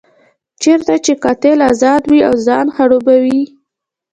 چېرته چې قاتل ازاد وي او ځان خړوبوي.